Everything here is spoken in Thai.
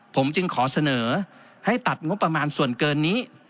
ผมจึงขอเสนอให้ตัดงบประมาณส่วนเกินนี้